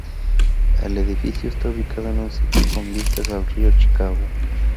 El edificio está ubicado en un sitio con vistas al río Chicago.